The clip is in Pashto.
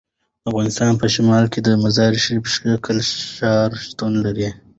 د افغانستان په شمال کې د مزارشریف ښکلی ښار شتون لري.